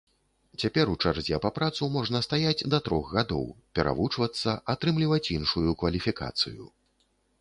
Цяпер у чарзе па працу можна стаяць да трох гадоў, перавучвацца, атрымліваць іншую кваліфікацыю.